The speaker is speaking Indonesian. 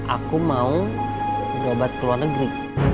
aku mau berobat ke luar negeri